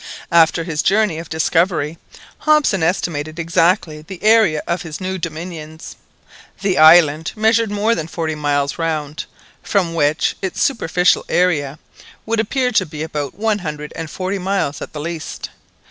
After his journey of discovery, Hobson estimated exactly the area of his new dominions. The island measured more than forty miles round, from which its superficial area[r] would appear to be about one hundred and forty miles at the least.